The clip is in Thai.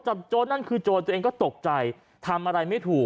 จับโยนมันคือโยนตัวเองก็ตกใจทำอะไรไม่ถูก